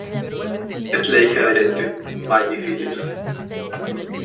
Es hija de la actriz Maggie Phillips.